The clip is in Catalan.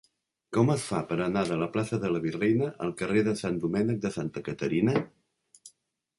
Com es fa per anar de la plaça de la Virreina al carrer de Sant Domènec de Santa Caterina?